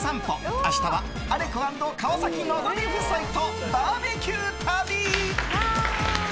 明日はアレク＆川崎希夫妻とバーベキュー旅。